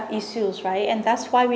về sự bảo vệ doanh nghiệp